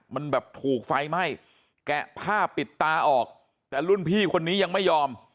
มันแบบถูกไฟไหม้แกะผ้าปิดตาออกแต่รุ่นพี่คนนี้ยังไม่ยอม